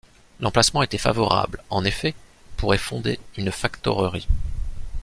L’emplacement était favorable, en effet, pour y fonder une factorerie.